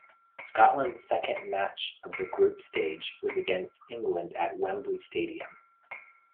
Scotland's second match of the group stage was against England at Wembley Stadium.